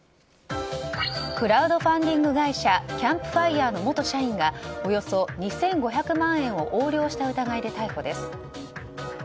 クラウドファンディング会社キャンプファイヤーの元社員がおよそ２５００万円を横領した疑いで逮捕です。